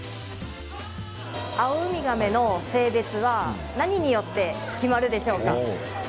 アオウミガメの性別は何によって決まるでしょうか？